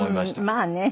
まあね。